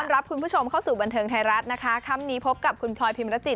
รับคุณผู้ชมเข้าสู่บันเทิงไทยรัฐนะคะค่ำนี้พบกับคุณพลอยพิมรจิต